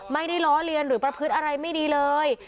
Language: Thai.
ล้อเลียนหรือประพฤติอะไรไม่ดีเลย